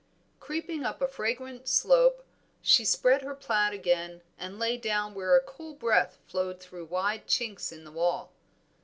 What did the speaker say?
Creeping up a fragrant slope she spread her plaid again and lay down where a cool breath flowed through wide chinks in the wall.